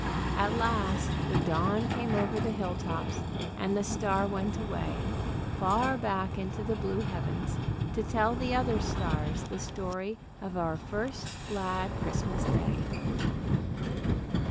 At last the dawn came over the hill tops, and the star went away, far back into the blue heavens, to tell the other stars the story of our first glad Christmas day.